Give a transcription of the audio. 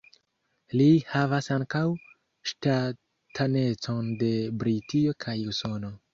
Li havas ankaŭ ŝtatanecon de Britio kaj Usono.